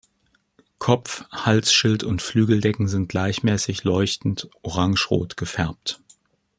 Kopf, Halsschild und Flügeldecken sind gleichmäßig leuchtend orangerot gefärbt.